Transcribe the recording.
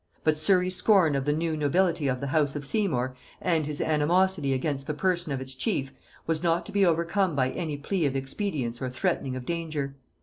But Surry's scorn of the new nobility of the house of Seymour, and his animosity against the person of its chief, was not to be overcome by any plea of expedience or threatening of danger.